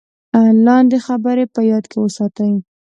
لاندې خبرې په یاد کې وساتئ: